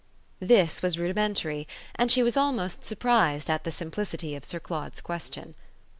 This was rudimentary, and she was almost surprised at the simplicity of Sir Claude's question.